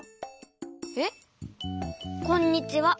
えっ？こんにちは。